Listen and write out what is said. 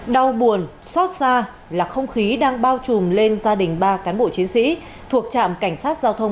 đau buồn xót xa là không khí đang bao trùm lên gia đình ba cán bộ chiến sĩ thuộc trạm cảnh sát giao thông